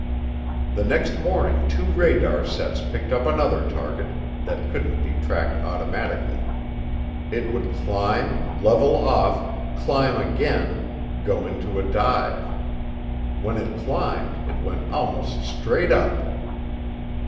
The next morning two radar sets picked up another target that couldn't be tracked automatically. It would climb, level off, climb again, go into a dive. When it climbed it went almost straight up.